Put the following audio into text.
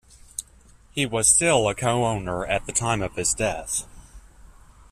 He was still a co-owner at the time of his death.